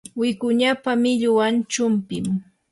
wikuñapa millwan chumpim.